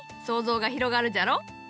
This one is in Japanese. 想像が広がるじゃろう？